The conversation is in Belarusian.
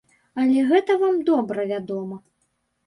Але гэта вам добра вядома.